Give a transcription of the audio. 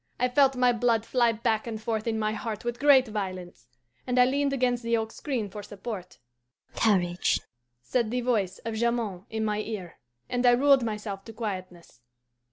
I felt my blood fly back and forth in my heart with great violence, and I leaned against the oak screen for support. 'Courage,' said the voice of Jamond in my ear, and I ruled myself to quietness.